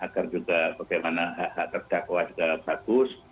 agar juga bagaimana hak hak terdakwa juga bagus